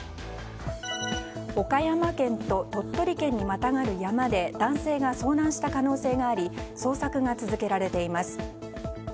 岡山県と鳥取県にまたがる山で男性が遭難した可能性があり捜索が続けられています。